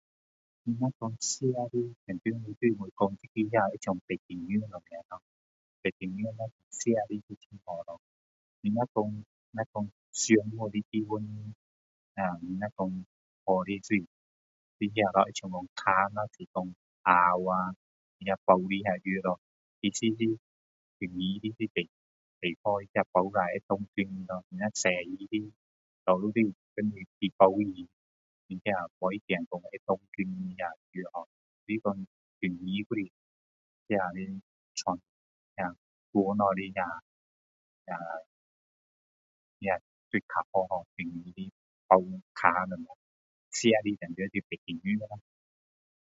如说吃的，当然就我讲就那个好像八珍药什么咯，八珍药咯吃了还很好咯，你如说，如说伤到的地方，你若说，好的就是好像说脚咯，扭到的那包的那药咯，其实是容易的，也最好包了会断根咯。那西医的多数就是把你直接包起来，它那不一定会断根，那药[har]。就是讲中医还是 [unintelligible] 那，传，那，传下来，那，那，脚包好的，中医的包脚什么。吃的当然是八珍药咯。